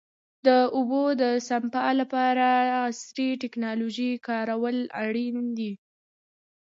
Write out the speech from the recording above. د اوبو د سپما لپاره عصري ټکنالوژي کارول اړین دي.